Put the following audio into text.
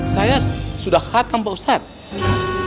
saya sudah khatam pak ustadz